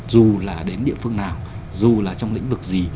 dù là đến địa phương nào dù là trong lĩnh vực gì